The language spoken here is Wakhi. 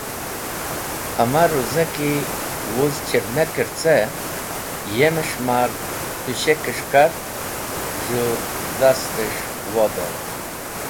Hamahruza ki wuz chirmaker ce yemes̃h ma’r tushekes̃h kart, z̃hũ dastes̃h wodort.